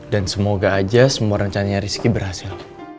dan semoga aja semua rencananya rizky berhasil